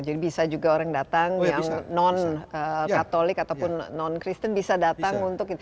jadi bisa juga orang datang yang non katolik ataupun non kristian bisa datang untuk